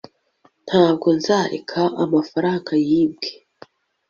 ntabwo nzareka amafaranga yibwe